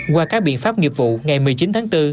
qua các biện pháp nghiệp vụ ngày một mươi chín tháng bốn